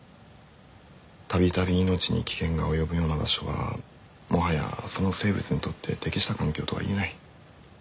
度々命に危険が及ぶような場所はもはやその生物にとって適した環境とは言えない。